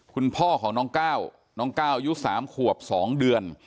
คุณพ่อของน้องก้าวน้องก้าวอายุ๓ขวบ๒เดือน